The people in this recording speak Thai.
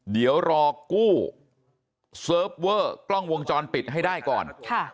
เดี๋ยวรอกู้เซิร์ฟเวอร์กล้องวงจรปิดให้ได้ก่อน